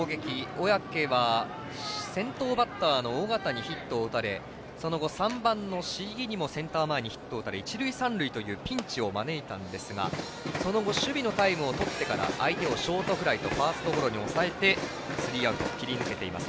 小宅は先頭バッターの緒方にセンター前にヒットを打たれその後、３番の椎木にもセンター前にヒットを打たれ一塁三塁というピンチを招いたんですがその後守備のタイムをとってから相手をショートフライトファーストゴロと抑えてスリーアウト切り抜けています。